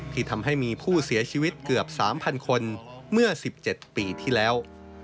ที่ทำให้มีผู้เสียชีวิตเกือบ๓๐๐คนเมื่อ๑๗ปีที่แล้ว